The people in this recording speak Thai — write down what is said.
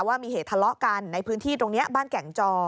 ว่ามีเหตุทะเลาะกันในพื้นที่ตรงนี้บ้านแก่งจอ